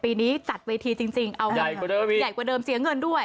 อันนี้จัดเวทีจริงใหญ่กว่าเดิมเสียเงินด้วย